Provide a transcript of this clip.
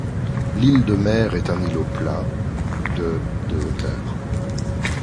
L'île de Mer est un îlot plat, de de hauteur.